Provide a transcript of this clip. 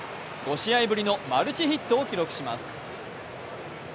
５試合ぶりのマルチヒットを記録します。